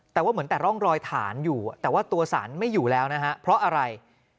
แต่ว่าเหมือนแต่ร่องรอยฐานอยู่แต่ว่าตัวสารไม่อยู่แล้วนะฮะเพราะอะไร